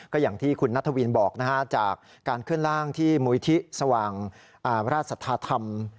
ก็อย่างที่คุณนัทวินบอกนะฮะจากการเคลื่อนล่างที่มุยที่สว่างราชสัทธาธรรม